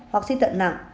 hoặc si tận nặng